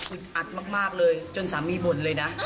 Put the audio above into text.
อัดมากเลยจนสามีบ่นเลยนะ